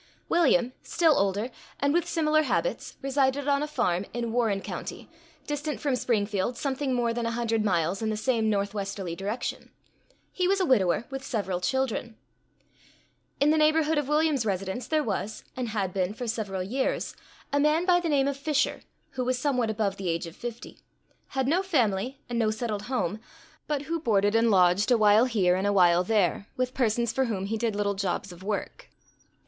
William, still older, and with similar habits, resided on a farm in Warren county, distant from Springfield something more than a hundred miles in the same northwesterly direction. He was a widower, with several children.In the neighborhood of William's residence, there was, and had been for several years, a man by the name of Fisher, who was somewhat above the age of fifty; had no family, and no settled home; but who boarded and lodged a while here and a while there, with persons for whom he did little jobs of work.